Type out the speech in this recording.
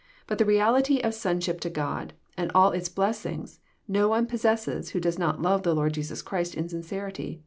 But the reality of sonship to God, and all its blessings, no one possesses who does not love the Lord Jesus Christ in sincerity.